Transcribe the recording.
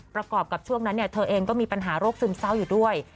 ประกอบกับช่วงนั้นเธอเองก็มีปัญหาโรคซึมเศร้าอยู่ด้วย